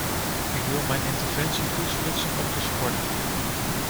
Ik wil mijn interventie toespitsen op de sport.